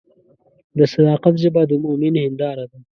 د صداقت ژبه د مؤمن هنداره ده.